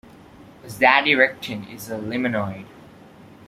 Azadirachtin is a limonoid.